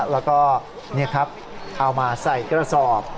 แล้วก็เนี่ยครับเอามาใส่กระสอบ